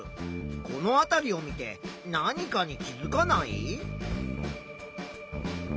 このあたりを見て何かに気づかない？